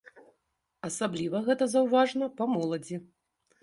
Асабліва гэта заўважна па моладзі.